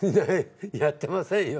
やってませんよ。